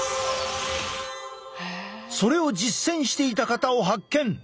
それを実践していた方を発見！